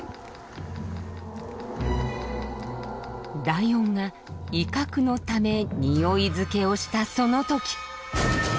ライオンが威嚇のためにおい付けをしたその時。